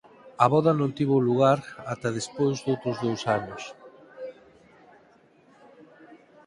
A voda non tivo lugar ata despois doutros dous anos.